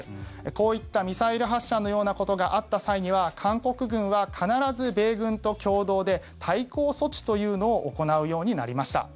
こういったミサイル発射のようなことがあった際には韓国軍は、必ず米軍と共同で対抗措置というのを行うようになりました。